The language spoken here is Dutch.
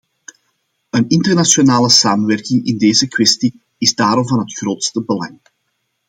Een internationale samenwerking in deze kwestie is daarom van het grootste belang.